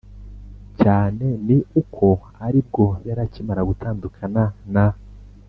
cyane ni uko aribwo yarakimara gutandukana na